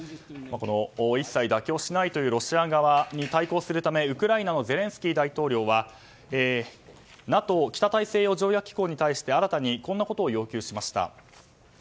一切妥協しないというロシア側に対抗するためウクライナのゼレンスキー大統領はＮＡＴＯ・北大西洋条約機構に対して新たにこんなことを要求しました。